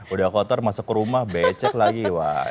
udah kotor masuk ke rumah becek lagi wah